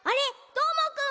どーもくん！